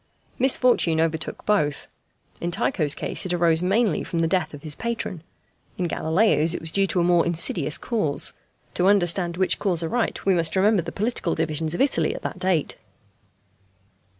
Misfortune overtook both. In Tycho's case it arose mainly from the death of his patron. In Galileo's it was due to a more insidious cause, to understand which cause aright we must remember the political divisions of Italy at that date.